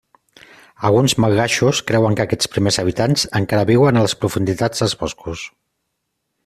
Alguns malgaixos creuen que aquests primers habitants encara viuen en les profunditats dels boscos.